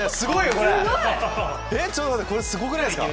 これよくないですか？